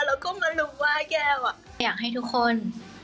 เราก็มาหลุมว่าแก้วอ่ะอยากให้ทุกคน